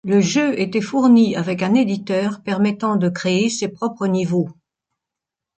Le jeu était fourni avec un éditeur permettant de créer ses propres niveaux.